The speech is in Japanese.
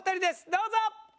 どうぞ！